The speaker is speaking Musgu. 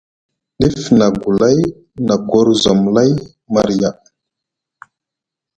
Dif na gulay na gorzom lay marya.